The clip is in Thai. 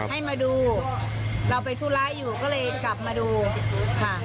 ให้มาดูเราไปธุระอยู่ก็เลยกลับมาดูค่ะ